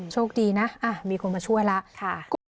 โชคดีนะอ่ะมีคนมาช่วยแล้วค่ะ